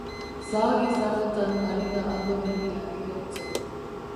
Zahagi zaharretan ari da ardo berria iraultzen.